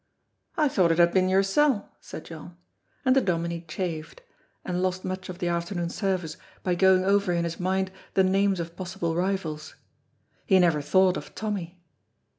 "I thought it had been yoursel'," said John, and the Dominie chafed, and lost much of the afternoon service by going over in his mind the names of possible rivals. He never thought of Tommy.